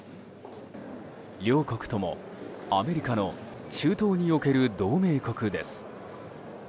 両国ともアメリカの中東における同盟国です。